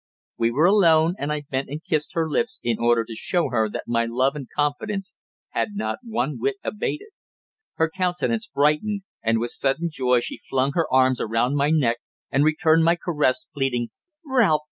We were alone, and I bent and kissed her lips in order to show her that my love and confidence had not one whit abated. Her countenance brightened, and with sudden joy she flung her arms around my neck and returned my caress, pleading "Ralph!